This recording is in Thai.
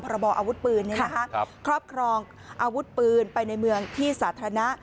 บออาวุธปืนครอบครองอาวุธปืนไปในเมืองที่สาธารณะ